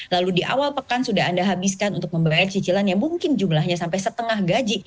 lalu di awal pekan sudah anda habiskan untuk membayar cicilan yang mungkin jumlahnya sampai setengah gaji